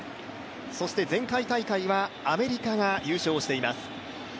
そして、前回大会はアメリカが優勝しています。